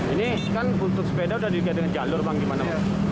ini kan untuk sepeda sudah dikaitkan jalur bang gimana